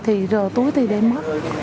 thì rờ túi thì để mất